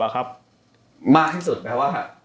มากที่สุดแปลว่า